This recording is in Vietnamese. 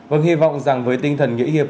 vâng hi vọng rằng với tinh thần nghĩa hiệp